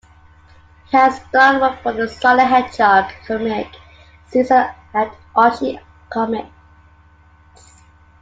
He has done work for the "Sonic the Hedgehog" comic series at Archie Comics.